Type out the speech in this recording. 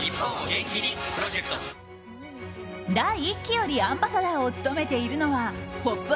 第１期よりアンバサダーを務めているのは「ポップＵＰ！」